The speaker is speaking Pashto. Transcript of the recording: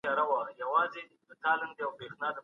اقتصادي پرمختګ د ملتونو وقار دی.